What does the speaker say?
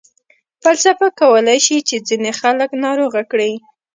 فلسفه کولای شي چې ځینې خلک ناروغه کړي.